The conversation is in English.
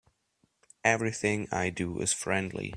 Everything I do is friendly.